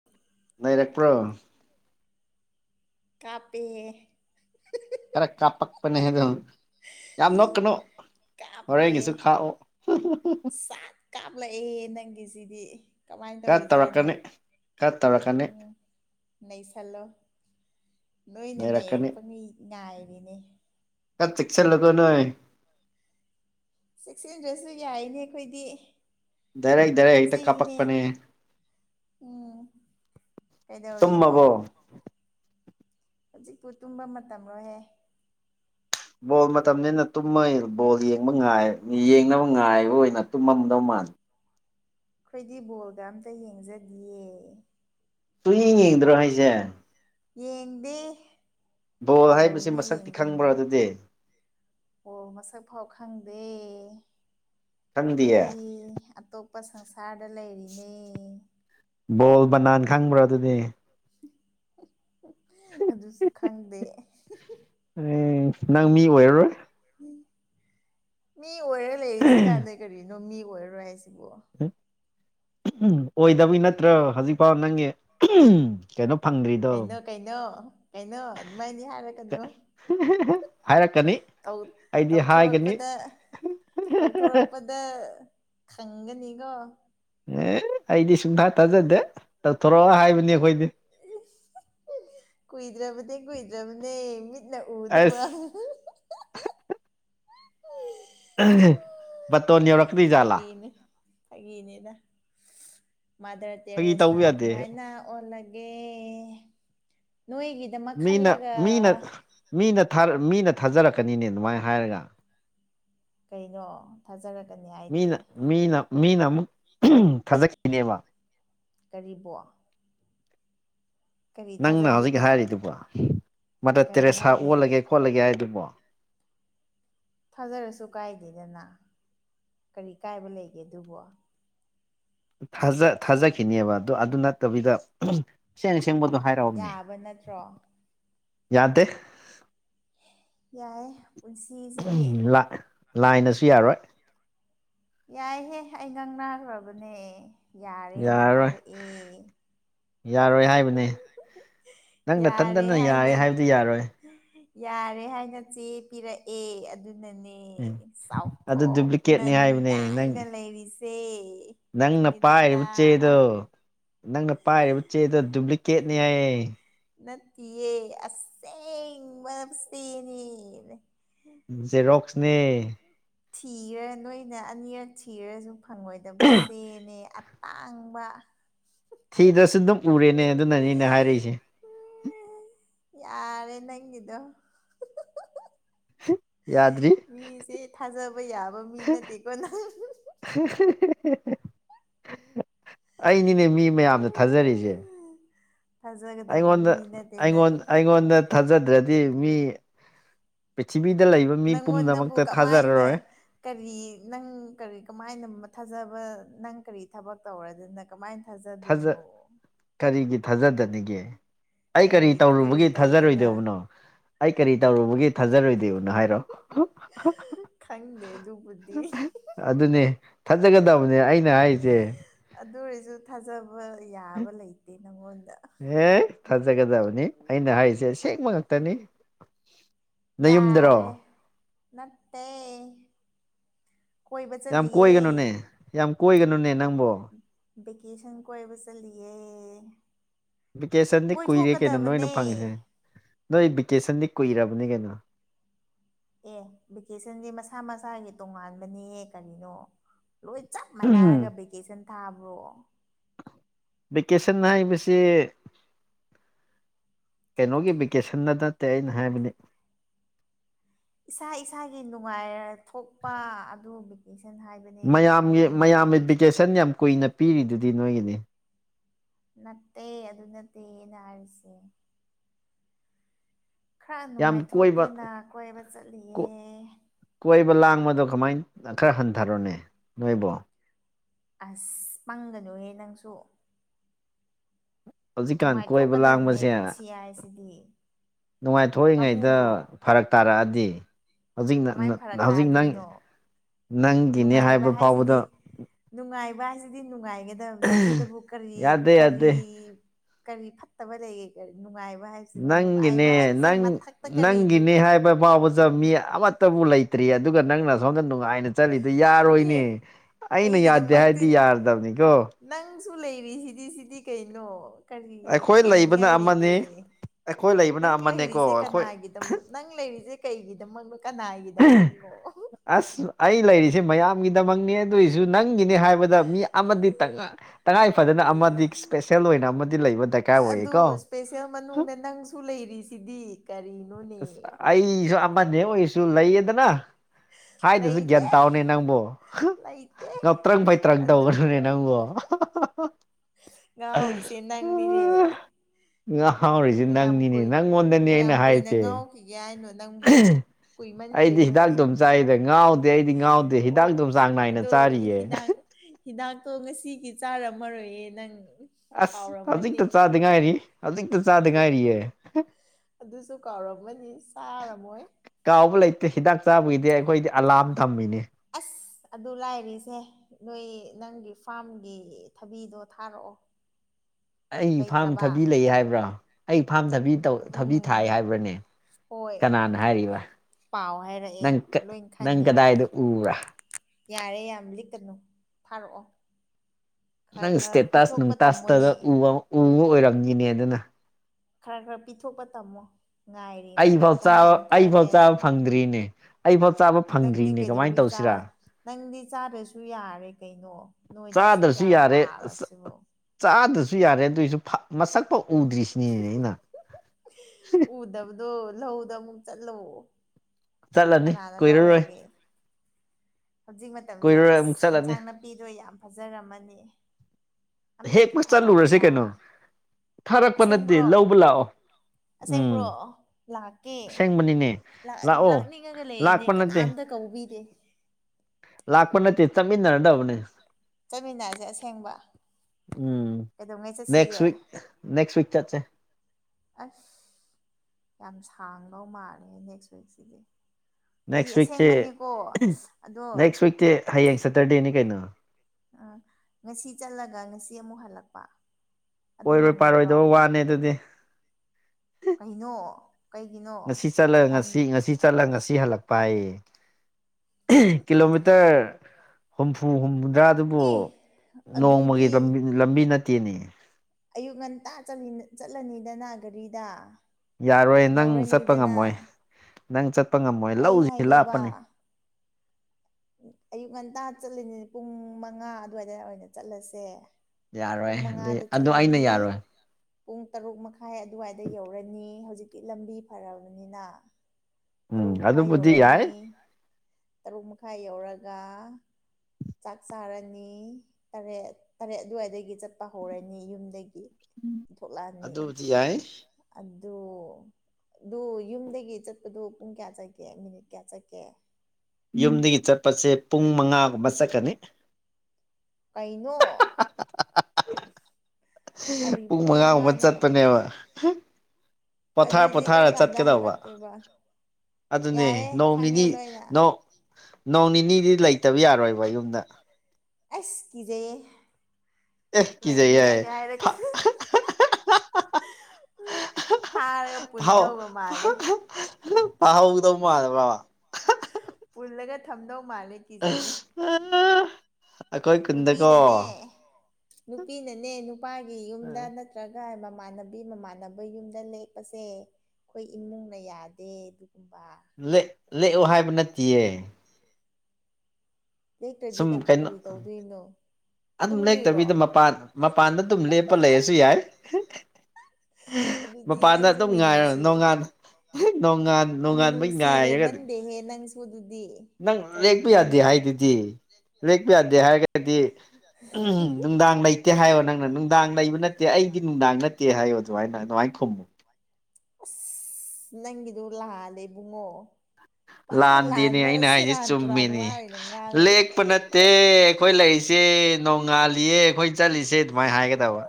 [inaudible] ꯅꯩꯔꯛꯄ꯭ꯔꯣ ꯀꯥꯞꯄꯦꯍꯦ ꯈꯔ ꯀꯥꯞꯄꯛꯄꯅꯦ ꯍꯥꯏꯗꯨ ꯌꯥꯝ ꯅꯣꯛꯀꯅꯨ ꯀꯥꯞꯄꯦ ꯍꯣꯔꯦꯟꯒꯤꯁꯨ ꯈꯥꯛꯑꯣ ꯁꯥꯠ ꯀꯥꯞꯂꯛꯑꯦ ꯅꯪꯒꯤꯁꯤꯗꯤ ꯀꯃꯥꯏꯅ ꯈꯔ ꯇꯧꯔꯤꯖꯥꯠꯅꯣ ꯇꯧꯔꯛꯀꯅꯤ ꯈꯔ ꯇꯧꯔꯛꯀꯅꯤ ꯎꯝ ꯅꯩꯁꯜꯂꯣ ꯅꯣꯏꯅ ꯂꯩꯔꯛꯀꯅꯤ ꯅꯩꯔꯛꯄ ꯃꯤ ꯉꯥꯏꯔꯤꯅꯦ ꯈꯔ ꯆꯦꯛꯁꯤꯜꯂꯨꯒꯣ ꯅꯣꯢ ꯆꯤꯛꯁꯤꯟꯗ꯭ꯔꯁꯨ ꯌꯥꯏꯅꯦ ꯑꯩꯈꯣꯏꯗꯤ ꯗꯥꯏꯔꯦꯛ ꯗꯥꯢꯔꯦꯛ ꯍꯦꯛꯇ ꯈꯪꯖꯩꯅꯦ ꯀꯥꯞꯄꯛꯄꯅꯦ ꯎꯝ ꯀꯩꯗꯧꯔꯤꯅꯣ ꯇꯨꯝꯃꯕꯣ ꯍꯧꯖꯤꯛꯄꯨ ꯇꯨꯝꯕ ꯃꯇꯝ ꯂꯣꯍꯦ ꯕꯣꯜ ꯃꯇꯝꯅꯤꯅ ꯇꯨꯝꯃ ꯕꯣꯜ ꯌꯦꯡꯕ ꯉꯥꯏ ꯌꯦꯡꯅꯕ ꯉꯥꯏꯕ ꯑꯣꯏꯅ ꯇꯨꯝꯃꯝꯗꯧ ꯃꯥꯜꯂꯦ ꯑꯩꯈꯣꯏꯗꯤ ꯕꯣꯜꯒ ꯑꯝꯇ ꯌꯦꯡꯖꯗꯤꯌꯦ ꯁꯨꯡꯌꯦꯡ ꯌꯦꯡꯗ꯭ꯔꯣ ꯍꯥꯏꯁꯦ ꯌꯦꯡꯗꯦ ꯕꯣꯜ ꯍꯥꯏꯕꯁꯤ ꯀꯩꯗꯧꯕꯒꯤ ꯃꯁꯛꯇꯤ ꯌꯦꯡꯗꯣꯏꯅꯣ ꯈꯪꯕ꯭ꯔꯣ ꯑꯗꯨꯗꯤ ꯕꯣꯜ ꯃꯁꯛ ꯐꯥꯎ ꯈꯪꯗꯦ ꯈꯪꯗꯤꯌꯦ ꯑꯩꯈꯣꯏꯗꯤ ꯑꯇꯣꯞ ꯄ ꯁꯪꯁꯥꯔꯗ ꯂꯩꯔꯤꯅꯦ ꯕꯣꯜ ꯕꯅꯥꯟ ꯈꯪꯕ꯭ꯔꯥ ꯑꯗꯨꯗꯤ ꯑꯗꯨꯁꯨ ꯈꯪꯗꯦ ꯑꯦ ꯅꯪ ꯃꯤ ꯑꯣꯏꯔꯔꯣꯏ ꯃꯤ ꯑꯣꯏꯔ ꯂꯩꯔꯤꯁꯤ ꯀꯥꯟꯗ ꯀꯔꯤꯅꯣ ꯃꯤ ꯑꯣꯏꯔꯔꯣꯏ ꯍꯥꯏꯁꯤꯕꯣ ꯎꯝ ꯑꯣꯏꯗꯕꯩ ꯅꯠꯇ꯭ꯔꯣ ꯍꯧꯖꯤꯛꯐꯥꯎ ꯅꯪꯒꯤ ꯀꯩꯅꯣ ꯐꯪꯗ꯭ꯔꯤꯗꯥ ꯀꯩꯅꯣ ꯀꯩꯅꯣ ꯀꯩꯅꯣ ꯑꯗꯨꯃꯥꯏꯅꯤ ꯍꯥꯏꯔꯛꯀꯅꯨ ꯍꯥꯏꯔꯛꯀꯅꯤ ꯑꯩꯗꯤ ꯍꯥꯏꯒꯅꯤ ꯇꯧꯊꯣꯔꯛꯄꯗ ꯇꯧꯊꯣꯔꯛꯄꯗ ꯗ ꯈꯪꯒꯅꯤꯀꯣ ꯑꯦ ꯑꯩꯗꯤ ꯁꯨꯡꯊꯥ ꯇꯥꯖꯗꯦ ꯇꯧꯊꯣꯔꯛꯑꯣ ꯍꯥꯏꯕꯅꯤ ꯑꯩꯈꯣꯏꯗꯤ ꯀꯨꯏꯗ꯭ꯔꯕꯅꯦ ꯀꯨꯏꯗ꯭ꯔꯕꯅꯦ ꯃꯤꯠꯅ ꯎꯗꯧꯕ ꯑꯁ ꯕꯔꯇꯣꯟ ꯌꯥꯎꯔꯛ ꯐꯒꯤꯅꯤ ꯐꯒꯤꯅꯤꯗ ꯃꯥꯗꯔ ꯐꯥꯒꯤ ꯇꯦꯔꯦꯁꯥ ꯇꯧꯕ ꯌꯥꯗꯦ ꯑꯗꯨꯃꯥꯏꯅ ꯑꯣꯜꯂꯒꯦ ꯅꯣꯏꯒꯤ ꯗꯃꯛ ꯃꯤꯅ ꯈꯜꯂꯒ ꯃꯤꯅ ꯃꯤꯅ ꯃꯤꯅ ꯊꯥꯖꯔꯛꯀꯅꯤꯅꯦ ꯑꯗꯨꯃꯥꯏꯅ ꯍꯥꯏꯔꯒ ꯀꯩꯅꯣ ꯊꯥꯖꯔꯛꯒꯅꯤ ꯍꯥꯏꯗꯤ ꯃꯤꯅ ꯃꯤꯅ ꯃꯤꯅ ꯑꯃꯨꯛ ꯊꯥꯖꯈꯤꯅꯤꯕ ꯀꯔꯤꯕꯣ ꯀꯔꯤ ꯅꯪꯅ ꯍꯧꯖꯤꯛ ꯊꯥꯖꯗꯣꯏꯕ ꯍꯥꯏꯔꯤꯗꯨꯕ ꯃꯗꯔ ꯀꯔꯤ ꯇꯦꯔꯦꯁꯥ ꯍꯥꯏꯗꯤ ꯑꯣꯜꯂꯒꯦ ꯈꯣꯠꯂꯒꯦ ꯍꯥꯏꯗꯨꯕꯣ ꯊꯥꯖꯔꯁꯨ ꯀꯥꯏꯗꯦꯗꯅ ꯀꯔꯤ ꯀꯥꯏꯕ ꯂꯩꯒꯦ ꯑꯗꯨꯕꯣ ꯊꯥꯖ ꯊꯥꯖꯈꯤꯅꯦꯕ ꯑꯗꯣ ꯑꯗꯨ ꯅꯠꯇꯕꯤꯗ ꯁꯦꯡ ꯁꯦꯡꯕꯗꯣ ꯍꯥꯏꯔꯛꯑꯣꯅꯦ ꯌꯥꯕ ꯅꯠꯇ꯭ꯔꯣ ꯌꯥꯗꯦ ꯌꯥꯏꯌꯦ ꯂꯥꯏꯅꯁꯨ ꯌꯥꯔꯣꯏ ꯌꯥꯏꯍꯦ ꯑꯩ ꯉꯥꯡꯅꯥꯈ꯭ꯔꯕꯅꯦ ꯌꯥꯔꯦꯅ ꯌꯥꯔꯔꯣꯏ ꯍꯥꯏꯔꯛꯑꯦ ꯌꯥꯔꯣꯏ ꯍꯥꯏꯕꯅꯦ ꯅꯪ ꯌꯥꯔꯦ ꯅꯇꯟꯇꯅ ꯌꯥꯔꯦ ꯍꯥꯏꯅ ꯍꯥꯏꯕꯗꯤ ꯌꯥꯔꯣꯏ ꯌꯥꯔꯦ ꯍꯥꯏꯅ ꯆꯦ ꯄꯤꯔꯛꯑꯦ ꯑꯗꯨꯅꯅꯦ ꯎꯝ ꯑꯦ ꯑꯗꯨ ꯆꯥꯎꯊꯣꯛꯅ ꯗꯨꯄ꯭ꯂꯤꯀꯦꯠꯅꯤ ꯍꯥꯏꯕꯅꯦ ꯅꯪ ꯅꯨꯡꯉꯥꯏꯅ ꯂꯩꯔꯤꯁꯦ ꯅꯪꯅ ꯈꯪꯉꯤꯗꯅ ꯄꯥꯏꯔꯤꯕ ꯆꯦꯗꯣ ꯅꯪꯅ ꯄꯥꯏꯔꯤꯕ ꯆꯦꯗꯣ ꯗꯨꯄ꯭ꯂꯤꯀꯦꯠꯅꯤ ꯍꯥꯏꯌꯦ ꯅꯠꯇꯦ ꯑꯁꯦꯡꯕ ꯆꯦꯅꯤ ꯖꯦꯔꯣꯛꯁꯅꯦ ꯊꯤꯔꯦ ꯅꯣꯏꯅ ꯑꯅꯤꯔꯛ ꯊꯤꯔꯁꯨ ꯐꯪꯉꯣꯏꯗꯕ ꯁꯦꯅꯤ ꯇꯥꯡꯕ ꯊꯤꯗ꯭ꯔꯁꯨ ꯑꯗꯨꯝ ꯎꯔꯦꯅꯦ ꯑꯗꯨꯅꯅꯤꯅꯦ ꯍꯥꯏꯔꯤꯁꯦ ꯎꯝ ꯌꯥꯔꯦ ꯅꯪꯒꯤꯗꯣ ꯍ [unintelligible] ꯃꯤꯁꯦ ꯊꯥꯖꯕ ꯌꯥꯕ ꯃꯤ ꯅꯠꯇꯦꯀꯣ ꯅꯪ ꯑꯩꯅꯤꯅꯦ ꯃꯤ ꯃꯌꯥꯝꯅ ꯊꯥꯖꯔꯤꯁꯦ ꯊꯥꯖꯒꯗꯕ ꯑꯩꯉꯣꯟꯗ ꯃꯤ ꯅꯠꯇꯦ ꯅꯪ ꯑꯩꯉꯣꯟ ꯑꯩꯉꯣꯟꯗ ꯊꯥꯖꯗ꯭ꯔꯗꯤ ꯃꯤ ꯄ꯭ꯔꯤꯊꯤꯕꯤꯗ ꯂꯩꯕ ꯃꯤ ꯅꯪꯉꯣꯟꯗꯕꯨ ꯄꯨꯝꯅꯃꯛꯇ ꯊꯥꯖꯔꯔꯣꯏ ꯀꯃꯥꯏꯅ ꯀꯔꯤ ꯅꯪ ꯀꯔꯤ ꯀꯃꯥꯏꯅ ꯊꯥꯖꯕ ꯅꯪ ꯀꯔꯤ ꯊꯕꯛ ꯇꯧꯔꯗꯅ ꯀꯃꯥꯏꯅ ꯊꯥꯖ ꯊꯥꯖꯗꯣꯏꯅꯣ ꯀꯔꯤꯒꯤ ꯊꯥꯖꯗꯅꯤꯒꯦ ꯑꯩ ꯀꯔꯤ ꯀꯔꯤ ꯇꯧꯔꯨꯕꯒꯤ ꯇꯧꯗꯅ ꯊꯥꯖꯔꯣꯏꯗꯧꯕꯅꯣ ꯑꯩ ꯀꯔꯤ ꯇꯧꯔꯨꯕꯒꯤ ꯊꯥꯖꯔꯣꯏꯗꯣꯏꯕꯅꯣ ꯍꯥꯏꯔꯣ ꯈꯪꯗꯦ ꯑꯗꯨꯨꯕꯨꯗꯤ ꯑꯗꯨꯅꯦ ꯊꯥꯖꯒꯗꯕꯅꯦ ꯑꯩꯅ ꯍꯥꯏꯔꯤꯁꯦ ꯑꯗꯨ ꯑꯣꯏꯔꯁꯨ ꯊꯥꯖꯕ [unintelligible] ꯌꯥ ꯑꯦ ꯊꯥꯖꯒꯗꯕꯅꯤ ꯑꯩꯅ ꯍꯥꯏꯔꯤꯁꯦ ꯑꯁꯦꯡꯕ ꯉꯥꯛꯇꯅꯤ ꯌꯥꯔꯦ ꯅꯌꯨꯝꯗꯔꯣ ꯅꯠꯇꯦ ꯀꯣꯏꯕ ꯌꯥꯝ ꯆꯠꯂꯤꯌꯦ ꯀꯣꯏꯒꯅꯨꯅꯦ ꯌꯥꯝ ꯀꯣꯏꯒꯅꯨꯅꯦ ꯅꯪꯕꯣ ꯚꯦꯀꯦꯁꯟ ꯀꯣꯏꯕ ꯆꯜꯂꯤꯌꯦ ꯚꯦꯀꯦꯁꯟꯗꯤ ꯀꯨꯏꯔꯦ ꯀꯩꯅꯣ ꯅꯣꯏꯅ ꯐꯪꯉꯤꯁꯦ ꯅꯣꯏ ꯚꯦꯀꯦꯁꯟꯗꯤ ꯀꯨꯏꯔꯕꯅꯤ ꯀꯩꯅꯣ ꯑꯦ ꯚꯦꯀꯦꯁꯟꯗꯤ ꯃꯁꯥ ꯃꯁꯥꯒꯤ ꯇꯣꯉꯥꯟꯕꯅꯤꯌꯦ ꯀꯔꯤꯅꯣ ꯂꯣꯏ ꯆꯞ ꯃꯥꯟꯅꯔꯒ ꯚꯦꯀꯦꯁꯟ ꯊꯥꯕ꯭ꯔꯣ ꯚꯦꯀꯦꯁꯟ ꯍꯥꯏꯕꯁꯦ ꯀꯩꯅꯣꯒꯤ ꯚꯦꯀꯦꯁꯟ ꯅꯠ ꯅꯠꯇꯦ ꯑꯩꯅ ꯍꯥꯏꯕꯗꯤ ꯏꯁꯥ ꯏꯁꯥꯒꯤ ꯅꯨꯡꯉꯥꯏꯔ ꯊꯣꯛꯄ ꯑꯗꯨ ꯚꯦꯀꯦꯁꯟ ꯍꯥꯏ ꯃꯌꯥꯝꯒꯤ ꯃꯌꯥꯝꯅ ꯚꯦꯀꯦꯁꯟ ꯌꯥꯝ ꯀꯨꯏꯅ ꯄꯤꯔꯤꯗꯨꯗꯤ ꯅꯣꯏꯒꯤꯗꯤ ꯅꯠꯇꯦ ꯑꯗꯨ ꯅꯠꯇꯦꯅ ꯑꯩꯅ ꯍꯥꯏꯔꯤꯁꯦ ꯈꯔ ꯌꯥꯝ ꯀꯣꯏꯕ ꯅꯨꯡꯉꯥꯏꯊꯣꯛꯀꯦꯅ ꯀꯣꯏꯕ ꯀꯣ- ꯆꯠꯂꯤꯌꯦ ꯀꯣꯏꯕ ꯂꯥꯡꯕꯗꯣ ꯀꯃꯥꯏꯅ ꯈꯔ ꯍꯟꯊꯔꯣꯅꯦ ꯅꯣꯏꯕꯣ ꯑ꯭ꯁ ꯄꯪꯒꯅꯨꯍꯦ ꯅꯪꯁꯨ ꯍꯧꯖꯤꯛꯀꯥꯟ ꯀꯣꯏꯕ ꯅꯨꯡꯉꯥꯏꯊꯣꯛꯀꯗꯕꯅꯦ ꯂꯥꯡꯕꯁꯦ ꯄꯨꯟꯁꯤ ꯍꯥꯏꯁꯤꯗꯤ ꯅꯨꯡꯉꯥꯏꯊꯣꯛꯏꯉꯩꯗ ꯄꯥꯝꯃꯨꯗ꯭ꯔꯣ ꯐꯔꯛ ꯇꯥꯔꯛꯑꯗꯤ ꯍꯧꯖꯤꯛ ꯀꯃꯥꯏꯅ ꯐꯔꯛ ꯍꯧꯖꯤꯛ ꯅꯪ ꯇꯥꯗꯣꯏꯅꯣ ꯅꯪꯒꯤꯅꯦ ꯅꯨꯡꯉꯥꯏꯕ ꯍꯥꯏꯕ ꯍꯥꯏꯁꯤꯗꯤ ꯐꯥꯎꯕꯗ ꯅꯨꯡꯉꯥꯏꯕ ꯍꯥꯏꯁꯤꯗꯤ ꯅꯨꯡꯉꯥꯏꯒꯗꯕꯅꯦ ꯑꯗꯨꯗꯕꯨ ꯀꯔꯤ ꯌꯥꯗꯦ ꯀꯔꯤ ꯌꯥꯗꯦ ꯀꯔꯤ ꯐꯠꯇꯕ ꯂꯩꯌꯦ ꯀꯔꯤ ꯅꯨꯡꯉꯥꯏꯕ ꯍꯥꯏ ꯅꯪꯒꯤꯅꯦ ꯅꯪ ꯀꯔꯤ ꯅꯪꯒꯤꯅꯦ ꯍꯥꯏꯕ ꯐꯥꯎꯕꯗ ꯃꯤ ꯑꯃꯠꯇꯕꯨ ꯂꯩꯇ꯭ꯔꯤ ꯑꯗꯨꯒ ꯅꯪꯅ ꯁꯣꯝꯗ ꯅꯨꯡꯉꯥꯏꯅ ꯆꯠꯂꯤꯗꯨ ꯑꯦ ꯌꯥꯔꯣꯏꯅꯦ ꯑꯩꯅ ꯌꯥꯗꯦ ꯑꯩꯒꯤꯗꯃꯛꯇꯤ ꯍꯥꯏꯔꯗꯤ ꯌꯥꯗꯕꯅꯤꯀꯣ ꯅꯪꯁꯨ ꯂꯩꯔꯤꯁꯤꯗꯤ ꯁꯤꯗꯤ ꯀꯩꯅꯣ ꯀꯔꯤꯒꯤ ꯑꯩꯈꯣꯏ ꯂꯩꯕꯅ ꯀꯤꯅꯤꯡꯉꯥꯏ ꯑꯃꯅꯤ ꯂꯩꯒꯦ ꯑꯩꯈꯣꯏ ꯂꯩꯕꯅ ꯅꯪ ꯑꯃꯅꯦꯀꯣ ꯂꯩꯔꯤꯁꯦ ꯑꯩꯈꯣꯏ ꯀꯅꯥꯒꯤꯗꯃꯛ ꯅꯪ ꯂꯩꯔꯤꯁꯦ ꯀꯩꯒꯤꯗꯃꯛꯅꯣ ꯀꯅꯥꯒꯤꯗꯃꯛꯅꯣ ꯑ꯭ꯁ ꯑꯩ ꯂꯩꯔꯤꯁꯦ ꯃꯌꯥꯝꯒꯤꯗꯃꯛꯅꯤ ꯑꯗꯨꯏꯁꯨ ꯅꯪꯒꯤꯅꯦ ꯍꯥꯏꯕ ꯍꯥꯏ [unintelligible] ꯃꯤ ꯑꯃꯗꯤ ꯇꯉꯥꯏ ꯇꯉꯥꯏ ꯐꯗꯅ ꯑꯃꯗꯤ ꯏ꯭ꯁꯄꯦꯁꯦꯜ ꯑꯣꯏꯅ ꯑꯃꯗꯤ ꯂꯩꯕ ꯗꯔꯀꯥꯔ ꯑꯣꯏꯌꯦꯀꯣ ꯏ꯭ꯁꯄꯦꯁꯦꯜ ꯃꯅꯨꯡꯗ ꯅꯪꯁꯨ ꯂꯩꯔꯤꯁꯤꯗꯤ ꯀꯔꯤꯅꯣꯅꯦ ꯑꯁ ꯑꯩꯁꯨ ꯑꯃꯅꯤ ꯑꯣꯏꯁꯨ ꯂꯩꯌꯦꯗꯅ ꯍꯥꯏꯗ꯭ꯔꯁꯨ ꯒ꯭ꯌꯥꯟ ꯂꯩꯇꯦ ꯇꯥꯎꯅꯦ ꯅꯪꯕꯣ ꯂꯩꯇꯦ ꯉꯥꯎꯇ꯭ꯔꯪ ꯐꯩꯇ꯭ꯔꯪ ꯑꯗꯨꯕꯨ ꯇꯧꯒꯅꯨꯅꯦ ꯅꯪꯕꯣ ꯑ [unintelligible] ꯉꯥꯎꯔꯤꯁꯦ ꯅꯪꯅꯤꯅꯦ ꯉꯥꯎꯔꯤ ꯀꯌꯥꯝ ꯀꯨꯏꯅ ꯀꯌꯥꯝ ꯀꯨꯏꯅ ꯉꯥꯎ ꯌꯥꯏꯅꯣ ꯅꯪꯕꯨ ꯑꯩꯗꯤ ꯀꯨꯏꯃꯟꯈ꯭ꯔꯦꯅꯦ ꯍꯤꯗꯥꯛꯇꯨꯝ ꯆꯥꯏꯗ ꯉꯥꯎꯗꯦ ꯑꯩꯗꯤ ꯉꯥꯎꯗꯦ ꯍꯤꯗꯥꯛꯗꯨꯝ ꯆꯥꯡ ꯅꯥꯏꯅ ꯑꯗꯣ ꯆꯥꯔꯤꯌꯦ ꯍꯤꯗꯥꯛ ꯍꯤꯗꯥꯛꯇꯣ ꯉꯁꯤꯒꯤ ꯆꯥꯔꯝꯃꯔꯣꯏꯌꯦ ꯅꯪ ꯑ꯭ꯁ ꯍꯧꯖꯤꯛꯇ ꯀꯥꯎꯔꯝꯃꯅꯤ ꯆꯥꯗ ꯉꯥꯏꯔꯤ ꯍꯧꯖꯤꯛꯇ ꯆꯥꯗ ꯉꯥꯏꯔꯤꯌꯦ ꯑꯗꯨꯁꯨ ꯀꯥꯎꯔꯝꯃꯅꯤ ꯆꯥꯔꯝꯃꯣꯏ ꯀꯥꯎꯕ ꯂꯩꯇꯦ ꯍꯤꯗꯥꯛ ꯆꯥꯕꯒꯤꯗꯤ ꯑꯩꯈꯣꯏꯗꯤ ꯑꯂꯥ꯭ꯔꯝ ꯊꯝꯃꯤꯅꯦ ꯑ꯭ꯁ ꯑꯗꯨ ꯂꯥꯏꯔꯤꯁꯦ ꯅꯣꯏ ꯅꯪꯒꯤ ꯐꯥ꯭ꯔꯝꯒꯤ ꯊꯕꯤꯗꯣ ꯊꯥꯔꯛꯑꯣ ꯑꯩ ꯐꯥꯝ ꯂꯩꯇ꯭ꯔꯕ ꯊꯕꯤ ꯂꯩ ꯍꯥꯏꯕ꯭ꯔꯣ ꯑꯩ ꯐꯥꯝ ꯊꯕꯤ ꯇꯧ ꯊꯕꯤ ꯎꯝ ꯊꯥꯏ ꯍꯥꯏꯕ꯭ꯔꯥꯅꯦ ꯍꯣꯏ ꯀꯅꯥꯅ ꯍꯥꯏꯔꯤꯕ ꯄꯥꯎ ꯍꯥꯏꯔꯛꯑꯦ ꯅꯪ ꯂꯣꯏ ꯅꯪ ꯈꯪꯉꯦ ꯀꯗꯥꯏꯗ ꯎꯕ꯭ꯔꯥ ꯌꯥꯔꯦ ꯌꯥꯝ ꯂꯤꯛꯀꯅꯨ ꯊꯥꯔꯛꯑꯣ ꯈꯔ ꯅꯪ ꯈꯔ ꯏ꯭ꯁꯇꯦ ꯇꯁ ꯅꯨꯡ ꯄꯤꯊꯣꯛꯄ ꯇꯖꯇꯒ ꯇꯝꯃꯣꯅꯦ ꯎꯕ ꯎꯕ ꯑꯣꯏꯔꯝꯅꯤꯅꯦ ꯑꯗꯨꯅ ꯈꯔ ꯈꯔ ꯄꯤꯊꯣꯛꯄ ꯇꯝꯃꯣ ꯉꯥꯏꯔꯤꯅꯦ ꯑꯩꯐꯥꯎ ꯀꯔꯝ ꯆꯥꯕ ꯀꯥꯟꯗ ꯑꯩꯐꯥꯎ ꯊꯥꯔꯛꯀꯦꯅꯣ ꯆꯥꯕ ꯐꯪꯗ꯭ꯔꯤꯅꯦ ꯑꯩꯐꯥꯎ ꯆꯥꯕ ꯅꯪꯗꯤ ꯐꯪꯗ꯭ꯔꯤꯅꯦ ꯀꯃꯥꯏꯅ ꯀꯩꯗꯧꯕꯩ ꯆꯥ ꯇꯧꯁꯤꯔꯥ ꯅꯪꯗꯤ ꯆꯥꯗ꯭ꯔꯥꯁꯨ ꯌꯥꯔꯦ ꯀꯩꯅꯣ ꯅꯣꯏꯗꯁꯨ ꯌꯥꯝ ꯄꯥꯂꯁꯤꯕꯣ ꯆꯥꯗ꯭ꯔꯥꯁꯨ ꯌꯥꯔꯦ ꯑꯗꯨꯏꯁꯨ ꯐꯥꯛ ꯃꯁꯛ ꯐꯥꯎ ꯎꯗ꯭ꯔꯤꯁꯤꯅꯤꯅꯦ ꯑꯩꯅ ꯑꯗꯣ ꯂꯧꯗ ꯑꯃꯨꯛ ꯆꯠꯂꫭ ꯆꯠꯂꯅꯤ ꯀꯨꯏꯔꯔꯣꯏ ꯍꯧꯖꯤꯛ ꯃꯇꯝꯁꯦ ꯀꯨꯏꯔꯔꯣꯏ ꯑꯃꯨꯛ ꯑꯁ ꯆꯠꯂꯅꯤ ꯏꯟꯁꯥꯡ ꯅꯥꯄꯤꯗꯣ ꯌꯥꯝ ꯐꯖꯔꯝꯃꯅꯤ ꯑꯝꯇꯗꯤ ꯍꯦꯛꯄ ꯆꯠꯂꯨꯔꯁꯤ ꯊꯥꯔꯛꯑꯣꯗ ꯀꯩꯅꯣ ꯊꯥꯔꯛꯄ ꯅꯠꯇꯦ ꯑꯁꯦꯡꯕ꯭ꯔꯣ ꯂꯧꯕ ꯂꯥꯛꯑꯣ ꯑꯁꯦꯡꯕ꯭ꯔꯣ ꯎꯝ ꯂꯥꯛꯀꯦ ꯑꯁꯦꯡꯕꯅꯤꯅꯦ ꯂꯥꯛ ꯂꯥꯛꯑꯣ ꯂꯥꯛꯅꯤꯡꯉꯒ ꯂꯩꯔꯤꯅꯦ ꯂꯥꯛꯄ ꯅꯠꯇꯦ ꯀꯅꯥꯝꯇ ꯀꯧꯕꯤꯗꯦ ꯂꯥꯛꯄ ꯅꯠꯇꯦ ꯆꯠꯃꯤꯟꯅꯔꯗꯧꯕꯅꯦ ꯆꯠꯃꯤꯟꯅꯁꯦ ꯑꯁꯦꯡꯕ ꯎꯝ ꯀꯩꯗꯧꯉꯩ ꯅꯦꯛꯁ꯭ꯠ ꯆꯠꯁꯤꯒꯦ ꯋꯤꯛ ꯅꯦꯛꯁ꯭ꯠ ꯋꯤꯛ ꯆꯠꯁꯦ ꯑꯁ ꯌꯥꯝ ꯁꯥꯡꯗꯧ ꯃꯥꯥꯟꯂꯦ ꯅꯦꯛꯁ꯭ꯠ ꯋꯤꯛꯁꯤꯗꯤ ꯑꯩꯗꯤ ꯅꯦꯛꯁ ꯋꯤꯛꯁꯦ ꯑꯁꯦꯡꯕꯅꯦꯀꯣ ꯑꯗꯣ ꯅꯦꯛꯁ ꯋꯤꯛꯇꯤ ꯍꯌꯦꯡ ꯁꯦꯇꯔꯗꯦꯅꯤ ꯀꯩꯅꯣ ꯑ ꯉꯁꯤ ꯆꯠꯂꯒ ꯉꯁꯤ ꯑꯃꯨꯛ ꯍꯜꯂꯛꯄ ꯑꯗꯨ ꯑꯣꯏꯔꯣꯏ ꯉꯝꯒꯗ꯭ꯔꯣ ꯄꯥꯔꯣꯏꯗꯕ ꯋꯥꯅꯦ ꯑꯗꯨꯗꯤ ꯀꯩꯅꯣ ꯀꯩꯒꯤꯅꯣ ꯉꯁꯤ ꯆꯠꯂ ꯌꯥꯝ ꯉꯁꯤ ꯉꯁꯤ ꯆꯠꯂ ꯉꯁꯤ ꯍꯜꯂꯛꯄ ꯍꯥꯏꯌꯦ ꯀꯤꯂꯣ ꯃꯤꯇꯔ ꯍꯨꯝꯐꯨ ꯍꯨꯝꯗ꯭ꯔꯥꯗꯨꯕꯨ ꯑꯦ ꯅꯣꯡꯃꯒꯤ ꯑꯗꯨꯗꯤ ꯂꯝꯕꯤ ꯂꯝꯕꯤ ꯅꯠꯇꯦꯅꯦ ꯑꯌꯨꯛ ꯉꯟꯇꯥ ꯆꯠꯂꯤꯅ ꯆꯠꯂꯅꯤꯗꯅ ꯒꯥꯔꯤꯗ ꯌꯥꯔꯣꯏ ꯅꯪ ꯆꯠꯄ ꯌꯧꯔꯅꯤꯗꯅ ꯉꯝꯃꯣꯏ ꯅꯪ ꯆꯠꯄ ꯉꯝꯃꯣꯏ ꯑꯩ ꯂꯧꯁꯤ ꯍꯥꯏꯒꯦꯕ ꯂꯥꯞꯄꯅꯤ ꯑꯌꯨꯛ ꯉꯟꯇꯥ ꯆꯠꯂꯤꯅꯤ ꯄꯨꯡ ꯃꯉꯥ ꯑꯗꯨꯋꯥꯏꯗ ꯑꯣꯏꯅ ꯆꯠꯂꯁꯦ ꯌꯥꯔꯣꯏ ꯄꯨꯡ ꯑꯗꯨꯏ ꯃꯉꯥꯗ ꯑꯗꯨ ꯑꯩꯅ ꯆꯠꯂꯗꯤ ꯌꯥꯔꯣꯏ ꯄꯨꯡ ꯇꯔꯨꯛ ꯃꯈꯥꯏ ꯑꯗꯨꯋꯥꯏꯗ ꯌꯧꯔꯅꯤ ꯍꯧꯖꯤꯛꯇꯤ ꯂꯝꯕꯤ ꯐꯔꯕꯅꯤꯅ ꯎꯝ ꯇꯔꯨꯛ ꯃꯈꯥꯏ ꯑꯗꯨꯕꯨꯗꯤ ꯌꯧꯔꯅꯤ ꯌꯥꯏ ꯇꯔꯨꯛ ꯃꯈꯥꯏ ꯌꯧꯔꯒ ꯆꯥꯛ ꯆꯥꯔꯅꯤ ꯇꯔꯦꯠ ꯇꯔꯦꯠ ꯑꯗꯨꯋꯥꯏꯗꯒꯤ ꯆꯠꯄ ꯍꯧꯔꯅꯤ ꯌꯨꯝꯗꯒꯤ ꯊꯣꯛꯂꯥꯛꯑꯅꯤ ꯑꯗꯨꯕꯨꯗꯤ ꯌꯥꯏ ꯑꯗꯨ ꯑꯗꯨ ꯌꯨꯝꯗꯒꯤ ꯆꯠꯄꯗꯣ ꯄꯨꯡ ꯀꯌꯥ ꯆꯠꯀꯦ ꯃꯤꯅꯤꯠ ꯀꯌꯥ ꯆꯠꯀꯦ ꯌꯨꯝꯗꯒꯤ ꯆꯠꯄꯁꯦ ꯄꯨꯡ ꯃꯉꯥꯒꯨꯝꯕ ꯆꯠꯀꯅꯤ ꯀꯩꯅꯣ ꯀꯔꯤ ꯄꯨꯡ ꯃꯉꯥꯒꯨꯝꯕ ꯃꯉꯥꯅꯣ ꯆꯠꯄꯅꯦꯕ ꯄꫭꯊꯥꯔ ꯑꯗꯨꯗꯤ ꯀꯔꯝ ꯄꯣꯊꯥꯔ ꯀꯥꯟꯗ ꯆꯠꯀꯗꯧꯕ ꯍꯜꯂꯛꯇꯣꯏꯕ ꯑꯗꯨꯅꯦ ꯌꯥꯔꯦ ꯅꯣꯡ ꯈꯪꯉꯦ ꯅꯤꯅꯤ ꯂꯣꯏꯅ ꯅꫭ ꯅꯣꯡ ꯅꯤꯅꯤꯗꯤ ꯂꯩꯇꯕ ꯌꯥꯔꯣꯏꯕ ꯌꯨꯝꯗ ꯑꯁ ꯀꯤꯖꯩꯌꯦ ꯑꯦ ꯀꯤꯖꯩ ꯌꯥꯏ ꯂꯩꯅꯤꯡꯉꯥꯏꯒ ꯐꯥ ꯍꯥꯏꯔꯛꯀꯅꯨ ꯐꯥꯔꯒ ꯐꯥꯎ ꯄꯨꯟꯗꯧꯕ ꯃꯥꯜꯂꯦ ꯐꯥ ꯐꯥꯍꯧꯗꯧ ꯃꯥꯜꯂꯕ ꯄꯨꯜꯂꯒ ꯊꯝꯗꯧ ꯃꯥꯜꯂꯦ ꯀꯤꯖꯩꯌꯦ ꯑꯩꯈꯣꯏ ꯈꯨꯟꯗꯀꯣ ꯅꯨꯄꯤꯅꯅꯦ ꯅꯨꯄꯤꯅꯅꯦ ꯅꯨꯄꯥꯒꯤ ꯌꯨꯝꯗ ꯅꯠ ꯇ꯭ꯔꯥꯒ ꯃꯃꯥꯟꯅꯕꯤ ꯃꯃꯥꯟꯅꯕ ꯌꯨꯝꯗ ꯂꯦꯛꯄꯁꯦ ꯑꯩꯈꯣꯏ ꯏꯃꯨꯡꯅ ꯌꯥꯗꯦ ꯑꯗꯨꯒꯨꯝꯕ ꯂꯦꯛ ꯂꯦꯛ ꯑꫭ ꯍꯥꯏꯕ ꯅꯠꯇꯤꯌꯦ ꯂꯦꯛꯇ꯭ꯔꯗꯤ ꯁꯨꯝ ꯀꯩꯅꯣ ꯀꯔꯤ ꯇꯧꯗꯣꯏꯅꯣ ꯑꯗꯨꯝ ꯇꯨꯝꯗꯣꯏꯔꯣ ꯂꯦꯇꯕꯤꯗ ꯃꯄꯥꯟ ꯃꯄꯥꯟꯗ ꯑꯗꯨꯝ ꯂꯦꯞꯄ ꯂꯩꯔꯁꯨ ꯌꯥꯏ ꯑꯗꯨꯗꯤ ꯃꯄꯥꯟꯗ ꯅꯪꯁꯨ ꯑꯗꯨꯝ ꯉꯥꯏꯔꯣ ꯃꯤꯅꯨꯡꯁꯤ ꯅꯣꯡꯉꯥꯟ ꯅꯣꯡꯉꯥꯟ ꯅꯣꯡꯉꯥꯟꯕꯩ ꯃꯤꯅꯨꯡꯁꯤ ꯉꯥꯏꯔꯒ ꯂꯩꯃꯟꯗꯦꯍꯦ ꯅꯪꯁꯨ ꯑꯗꯨꯗꯤ ꯅꯪ ꯂꯦꯛꯄ ꯌꯥꯗꯦ ꯀꯔꯤꯅꯣꯅꯦ ꯍꯥꯏꯗꯨꯗꯤ ꯂꯦꯛꯄ ꯌꯥꯗꯦ ꯍꯥꯏꯔꯒꯗꯤ ꯎꯝ ꯅꯨꯡꯗꯥꯡ ꯂꯩ ꯇꯦ ꯍꯥꯏꯌꯣ ꯅꯪꯅ ꯅꯨꯡꯗꯥꯡ ꯂꯩꯕ ꯅꯠꯇꯦ ꯑꯩꯗꯤ ꯅꯨꯡꯗꯥꯡ ꯅꯠꯇꯦ ꯍꯥꯏꯌꯣ ꯑꯗꯨꯃꯥꯏꯅ ꯑꯗꯨꯃꯥꯏꯅ ꯈꯨꯝꯃꯣ ꯑꯁ ꯅꯪꯒꯤꯗꯨ ꯂꯥꯜꯂꯦ ꯏꯕꯨꯡꯉꯣ ꯃꯥꯅ ꯂꯥꯟꯗꯦꯅꯦ ꯂꯥꯟꯕꯔ ꯑꯩꯅ ꯍꯥꯏꯁꯦ ꯁꯦꯔꯥꯟ ꯇꯨꯔꯥꯟ ꯋꯥ ꯑꯣꯏꯅ ꯉꯥꯡꯉ ꯂꯩ ꯇꯦ ꯑꯈꯣꯏ ꯂꯩꯔꯤꯁꯦ ꯅꯣꯡꯉꯥꯜꯂꯤꯌꯦ ꯑꯈꯣꯏ ꯆꯠꯂꯤꯁꯦ ꯑꯗꯨꯃꯥꯏꯅ ꯍꯥꯏꯒꯗꯕ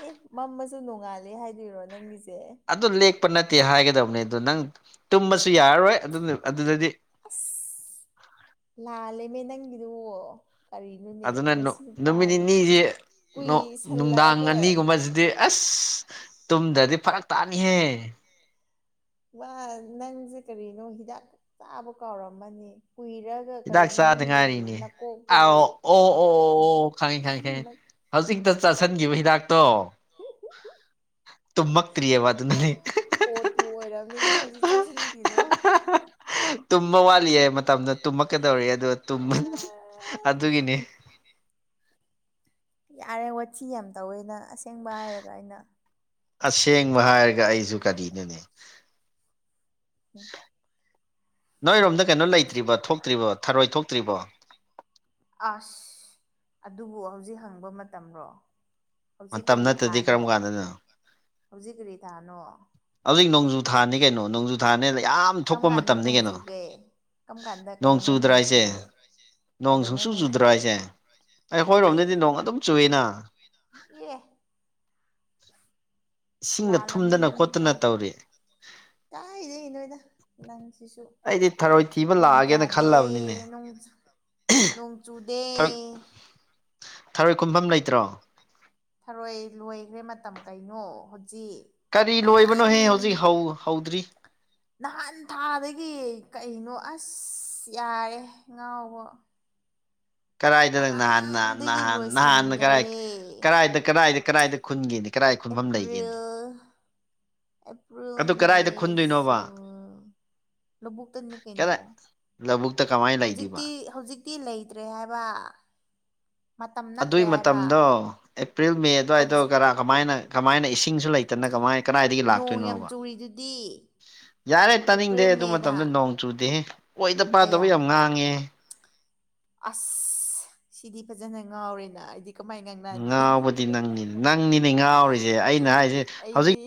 ꯑꯦ ꯃꯝꯃꯁꯨ ꯅꯣꯡꯉꯥꯜꯂꯦ ꯍꯥꯏꯗꯣꯏꯔꯣ ꯅꯪꯒꯤꯁꯦ ꯑꯗꯨ ꯂꯦꯛꯄ ꯅꯠꯇꯦ ꯍꯥꯏꯒꯗꯕꯅꯤ ꯑꯗꯨ ꯅꯪ ꯇꯨꯝꯕꯁꯨ ꯌꯥꯔꯔꯣꯏ ꯑꯗꯨ ꯑꯗꯨꯗꯗꯤ ꯑꯁ ꯂꯥꯜꯂꯦꯃꯦ ꯅꯪꯒꯤꯗꯨ ꯀꯔꯤ ꯅꯣꯅꯦ ꯑꯗꯨꯅ ꯉꯁꯤ ꯅꯨꯃꯤꯠ ꯅꯨꯄꯥꯖꯦ ꯅꯤꯅꯤꯁꯤ ꯅꯨꯡꯗꯥꯡ ꯀꯨꯏꯁꯜꯂꯛꯑꯒ ꯑꯅꯤꯒꯨꯝꯕꯁꯤꯗꯤ ꯑꯁ ꯇꯨꯝꯗꯗꯤ ꯐꯔꯛ ꯇꯥꯅꯤꯍꯦ ꯋꯥ ꯅꯪꯁꯦ ꯀꯔꯤꯅꯣ ꯍꯤꯗꯥꯛ ꯆꯥꯕ ꯀꯥꯎꯔꯝꯃꯅꯤ ꯀꯨꯏꯔ ꯒ ꯍꯤꯗꯥꯛ ꯀꯔꯤꯅꯣ ꯆꯥꯗ ꯅꯪꯒꯤ ꯉꯥꯏꯔꯤꯅꯦ ꯅꯀꯣꯛꯇꯨꯕꯨ ꯑꯥꯎ ꯑꯣ ꯑꯣ ꯑꯣ ꯈꯪꯉꯤ ꯈꯪꯉꯤ ꯈꯪꯉꯤ ꯍꯧꯖꯤꯛꯇ ꯆꯥꯥꯁꯟꯈꯤꯕ ꯍꯤꯗꯥꯛꯇꯣ ꯇꯨꯝꯃꯛꯇ꯭ꯔꯤꯌꯦꯕ ꯑꯗꯨꯅꯅꯦ ꯑꯣꯠꯄꯨ ꯑꯣꯏꯔꯝꯅꯤ ꯅꯪ ꯍꯧꯖꯤꯛ ꯆꯥꯁꯤꯟꯈꯤꯗꯣ ꯇꯨꯝꯕ ꯋꯥꯠꯂꯤꯌꯦ ꯃꯇꯝꯗꯣ ꯇꯨꯝꯃꯛꯀꯗꯧꯔꯤ ꯑꯗꯣ ꯇꯨꯝ ꯑꯗꯨꯒꯤꯅꯤ ꯌꯥꯔꯦ ꯋꯥꯊꯤ ꯌꯥꯝ ꯇꯧꯋꯦꯅ ꯑꯁꯦꯡꯕ ꯍꯥꯏꯔꯒ ꯑꯩꯅ ꯑꯁꯦꯡꯕ ꯍꯥꯏꯔꯒ ꯑꯩꯁꯨ ꯀꯔꯤꯅꯣꯅꯦ ꯅꯣꯏꯔꯣꯝꯗ ꯀꯩꯅꯣ ꯂꯩꯇ꯭ꯔꯤꯕ ꯊꯣꯛꯇ꯭ꯔꯤꯕꯣ ꯊꯔꯣꯏ ꯊꯣꯛꯇ꯭ꯔꯤꯕꯣ ꯑꯁ ꯑꯗꯨꯕꯨ ꯍꯧꯖꯤꯛ ꯍꯪꯕ ꯃꯇꯝꯔꯣ ꯍꯧꯖꯤꯛ ꯃꯇꯝ ꯀꯔꯤ ꯅꯠꯇ꯭ꯔꯗꯤ ꯊꯥꯅꯣ ꯀꯔꯝ ꯀꯥꯟꯗꯅꯣ ꯍꯧꯖꯤꯛ ꯀꯔꯤ ꯊꯥꯅꯣ ꯍꯧꯖꯤꯛ ꯅꯣꯡꯖꯨ ꯊꯥꯅꯤ ꯀꯩꯅꯣ ꯅꯣꯡꯖꯨ ꯊꯥꯅꯦ ꯂꯩ ꯀꯔꯝ ꯀꯥꯟꯗ ꯅꯣꯡ ꯆꯨꯒꯦ ꯀꯔꯝ ꯀꯥꯟꯗ ꯀꯩꯗꯧꯉꯩ ꯆꯨꯗ꯭ꯔꯥ ꯅꯣꯡ ꯍꯥꯏꯁꯦ ꯆꯨꯒꯦ ꯅꯣꯡ ꯀꯩꯗꯧꯉꯩ ꯁꯨꯡꯆꯨ ꯅꯣꯡ ꯆꯨꯗ꯭ꯔꯥ ꯆꯨꯒꯦ ꯍꯥꯏꯁꯦ ꯆꯨꯗꯦ ꯑꯩꯈꯣꯏꯔꯣꯝꯗꯗꯤ ꯅꯣꯡ ꯑꯗꯨꯝ ꯆꯨꯏꯅ ꯑꯦ ꯏꯁꯤꯡꯒ ꯂꯥꯜꯂꯝꯅꯤ ꯊꯨꯝꯗꯅ ꯅꯨꯃꯤꯠꯇꯣ ꯈꯣꯠꯇꯅ ꯇꯧꯔꯤ ꯇꯥꯏꯗꯩ ꯅꯣꯏꯅ ꯅꯪꯁꯤꯁꯨ ꯑꯩꯗꯤ ꯊꯔꯣꯏ ꯊꯤꯕ ꯅꯨꯡ ꯂꯥꯛꯑꯒꯦꯅ ꯇꯗꯦ ꯈꯜꯂꯕꯅꯤꯅꯦ ꯅꯨꯡ ꯅꯣꯡꯆꯨꯗꯦ ꯊꯔꯣꯏ ꯊꯔꯣꯏ ꯈꯨꯝꯐꯝ ꯂꯩꯇ꯭ꯔꯣ ꯊꯔꯣꯏ ꯂꯣꯏꯈ꯭ꯔꯦ ꯃꯇꯝ ꯀꯩꯅꯣ ꯍꯧꯖꯤꯛ ꯀꯔꯤ ꯅꯍꯥꯟ ꯂꯣꯏꯕꯅꯣꯍꯦ ꯍꯧꯖꯤꯛ ꯍꯧ ꯍꯧꯗ꯭ꯔꯤ ꯅꯍꯥꯟ ꯊꯥꯗꯒꯤ ꯀꯩꯅꯣ ꯑꯁ ꯌꯥꯔꯦ ꯉꯥꯎꯕ ꯀꯔꯥꯏꯗꯅ ꯅꯍꯥꯟ ꯅꯍꯥꯟꯗꯒꯤ ꯅꯍꯥꯟ ꯅꯍꯥꯟꯅ ꯀꯔꯥꯏ ꯂꯣꯏꯁꯤꯟꯈ꯭ꯔꯦ ꯀꯔꯥꯏꯗ ꯀꯗꯥꯏꯗ ꯀꯗꯥꯏꯗ ꯈꯨꯟꯒꯅꯤ ꯑꯦꯄ꯭ꯔꯤꯜ ꯑꯦꯄ꯭ꯔꯤꯜ ꯑꯗꯨ ꯃꯦ ꯀꯗꯥꯏꯗ ꯈꯨꯟꯗꯣꯏꯅꯣꯕ ꯖꯨꯟ ꯂꯧꯕꯨꯛꯇꯅꯤ ꯀꯩꯅꯣ ꯀꯗꯥꯏ ꯂꯧꯕꯨꯛꯇ ꯀꯃꯥꯏꯅ ꯂꯩꯗꯣꯏꯕ ꯍꯧꯖꯤꯛꯇꯤ ꯍꯧꯖꯤꯛ ꯇꯤ ꯂꯩꯇ꯭ꯔꯦ ꯍꯥꯏꯕ ꯃꯇꯝ ꯅꯠꯇ꯭ꯔꯦ ꯑꯗꯨꯒꯤ ꯍꯥꯏꯕ ꯃꯇꯝꯗꯣ ꯑꯦꯄ꯭ꯔꯤꯜ ꯃꯦ ꯑꯗꯨꯋꯥꯏꯗꯧ ꯍꯧꯖꯤꯛ ꯀꯔꯥ ꯀꯃꯥꯏꯅ ꯀꯃꯥꯏꯅ ꯏꯁꯤꯡꯁꯨ ꯂꯩꯇꯅ ꯀꯃꯥꯏ ꯀꯏꯗꯒꯤ ꯂꯥꯛꯇꯣꯏ ꯄꯣꯡ ꯌꯥꯝ ꯆꯨꯔꯤꯗꯨꯗꯤ ꯌꯥꯔꯦ ꯇꯥꯅꯤꯡꯗꯦ ꯑꯦꯄ꯭ꯔꯤꯜ ꯑꯗꯨ ꯃꯦꯗ ꯃꯇꯝꯗ ꯅꯣꯡ ꯆꯨꯗꯦꯍꯦ ꯑꯣꯏꯗ ꯑꯌꯥ ꯄꯥꯗꯕ ꯌꯥꯝ ꯉꯥꯡꯉꯤꯍꯦ ꯑꯁ ꯁꯤꯗꯤ ꯐꯖꯅ ꯉꯥꯎꯔꯦꯅ ꯑꯩꯗꯤ ꯀꯃꯥꯏ ꯉꯥꯡꯅꯅꯤ ꯉꯥꯎꯕꯗꯤ ꯅꯪꯅꯤ ꯅꯪꯅꯤꯅꯦ ꯉꯥꯎꯔꯤꯖꯦ ꯑꯩꯅ ꯍꯥꯏꯖꯦ ꯑꯩꯗꯤ ꯍꯧꯖꯤꯛ